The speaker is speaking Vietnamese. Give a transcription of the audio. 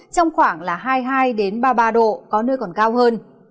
trong khoảng là hai mươi hai đến ba mươi ba độ có nơi còn cao hơn